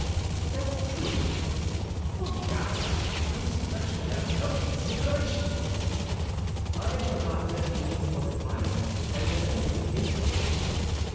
"That's true!" "Fore Gad, these Frenchmen have no consideration!" "I had forgotten that England was an island, and that you were the king of it."